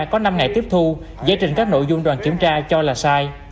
có năm ngày tiếp thu giải trình các nội dung đoàn kiểm tra cho là sai